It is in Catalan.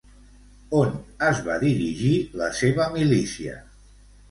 On es va dirigir la seva milícia?